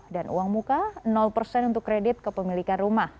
dan uang muka untuk kredit kepemilikan rumah